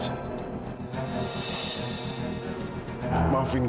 ya allah gimana ini